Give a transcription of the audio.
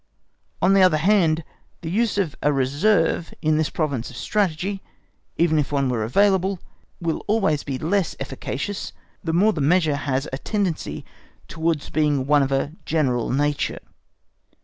On the other hand the use of a reserve in this province of Strategy, even if one were available, will always be less efficacious the more the measure has a tendency towards being one of a general nature.